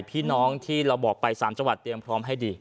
พี่น้องที่เราบอกไป๓จังหวัดเตรียมพร้อมให้ดี